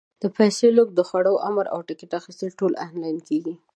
د پیسو لېږد، د خوړو امر، او ټکټ اخیستل ټول آنلاین کېږي.